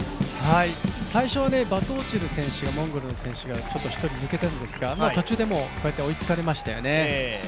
最初はバトオチル選手モンゴルの選手がちょっと１人抜けたんですが途中でこうやって追いつかれましたね。